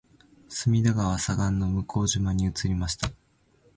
隅田川左岸の向島に移りました